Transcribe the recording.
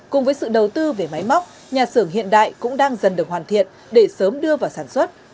cùng với sự đầu tư về máy móc nhà xưởng hiện đại cũng đang dần được hoàn thiện để sớm đưa vào sản xuất